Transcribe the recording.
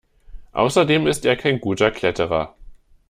Außerdem ist er kein guter Kletterer.